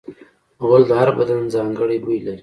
غول د هر بدن ځانګړی بوی لري.